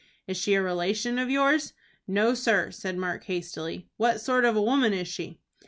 "Is she a relation of yours?" "No, sir," said Mark, hastily. "What sort of a woman is she?"